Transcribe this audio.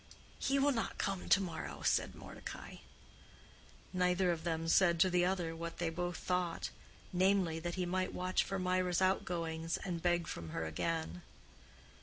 "He will not come to morrow," said Mordecai. Neither of them said to the other what they both thought, namely, that he might watch for Mirah's outgoings and beg from her again.